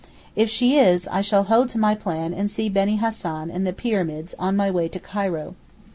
If she is I shall hold to my plan and see Beni Hassan and the Pyramids on my way to Cairo.